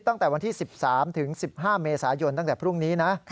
ตั้งแต่วันที่๑๓ถึง๑๕เมษายนตั้งแต่พรุ่งนี้นะ